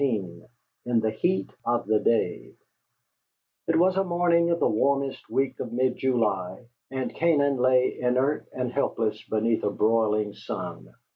XVIII IN THE HEAT OF THE DAY It was a morning of the warmest week of mid July, and Canaan lay inert and helpless beneath a broiling sun.